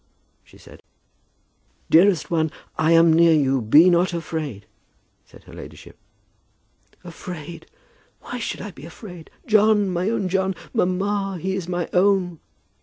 she said. "Dearest one, I am near you. Be not afraid," said her ladyship. "Afraid! Why should I be afraid? John! My own John! Mamma, he is my own."